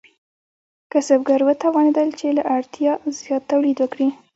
کسبګر وتوانیدل چې له اړتیا زیات تولید وکړي.